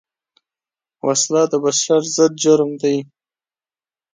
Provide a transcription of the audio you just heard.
وسله د بشر ضد جرم ده